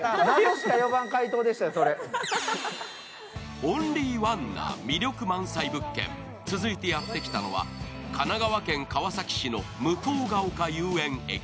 オンリーワンな魅力満載物件、続いてやってきたのは神奈川県川崎市の向ケ丘遊園駅。